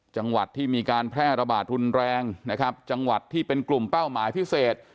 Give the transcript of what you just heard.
จังหวัดที่มีการแพร่ระบาดรุนแรงนะครับจังหวัดที่เป็นกลุ่มเป้าหมายพิเศษ